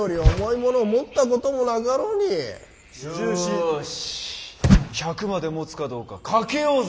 よし１００までもつかどうか賭けようぜ。